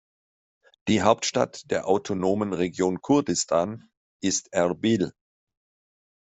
Die Hauptstadt der autonomen Region Kurdistan ist Erbil.